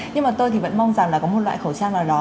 nhưng mà tôi thì vẫn mong rằng là có một loại khẩu trang nào đó